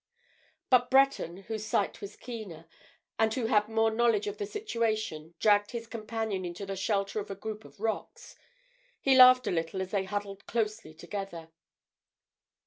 But Breton, whose sight was keener, and who had more knowledge of the situation dragged his companion into the shelter of a group of rocks. He laughed a little as they huddled closely together.